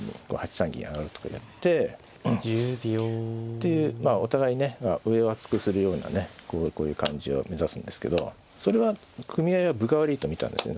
でまあお互いね上を厚くするようなねこういう感じを目指すんですけどそれは組み合いは分が悪いと見たんですよね